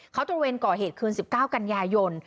เขาตระเวนก่อเหตุคืน๑๙กันยายน